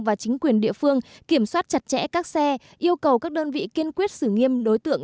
và chính quyền địa phương kiểm soát chặt chẽ các xe yêu cầu các đơn vị kiên quyết xử nghiêm đối tượng